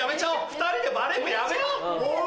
２人でバレー部やめよう。